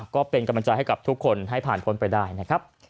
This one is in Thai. ก็เป็นกำลังใจให้กับทุกคนให้ผ่านพ้นไปได้นะครับ